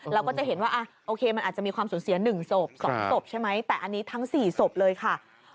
เราก็จะเห็นว่าโอเคมันอาจจะมีความสูญเสีย๑ศพ๒ศพใช่ไหมแต่อันนี้ทั้ง๔ศพเลยค่ะ